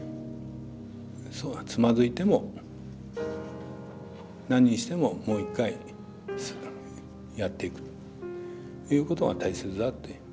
つまずいても何してももう一回やっていくということが大切だっていう。